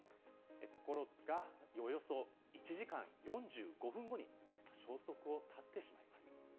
ところがおよそ１時間４５分後に消息を絶ってしまいます。